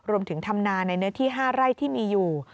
ทำนาในเนื้อที่๕ไร่ที่มีอยู่